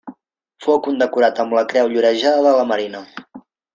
Fou condecorat amb la Creu Llorejada de la Marina.